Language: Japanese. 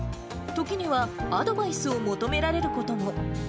時には、アドバイスを求められることも。